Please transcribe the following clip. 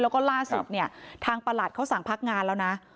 แล้วก็ล่าสุดเนี่ยทางประหลัดเขาสั่งพักงานแล้วนะ